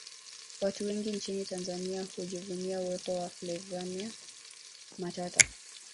watu wengi nchini tanzania hujivunia uwepo wa flaviana matata